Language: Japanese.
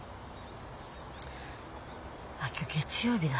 あっ今日月曜日だ。